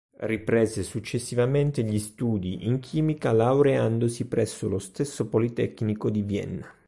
Riprese successivamente gli studi in chimica laureandosi presso lo stesso Politecnico di Vienna.